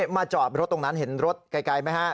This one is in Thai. มาจอดรถตรงนั้นเห็นรถไกลไหมฮะ